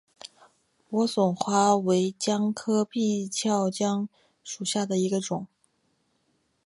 莴笋花为姜科闭鞘姜属下的一个种。